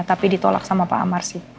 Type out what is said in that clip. tapi ditolak sama pak amar sih